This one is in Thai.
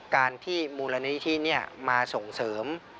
การที่มูลนิธิมาส่งเสริม